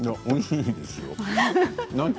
おいしいですよ。